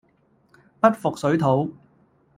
不服水土